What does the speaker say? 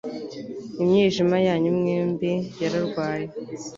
Imyijima yanyu mwembi yararwaye